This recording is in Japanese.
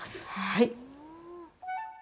はい！